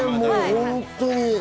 本当に。